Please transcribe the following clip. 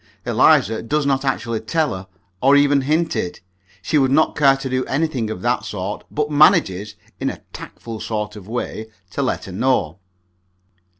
Eliza does not actually tell her, or even hint it she would not care to do anything of that sort. But she manages, in a tactful sort of way, to let her know.